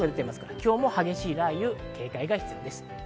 今日も激しい雷雨に警戒が必要です。